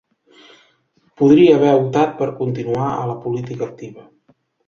Podria haver optat per continuar a la política activa.